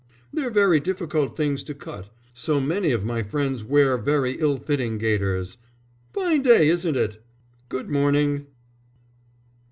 "They're very difficult things to cut. So many of my friends wear very ill fitting gaiters. Fine day, isn't it? Good morning."